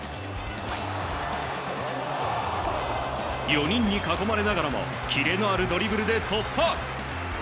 ４人に囲まれながらもキレのあるドリブルで突破。